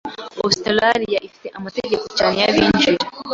Australiya ifite amategeko akomeye cyane y’abinjira.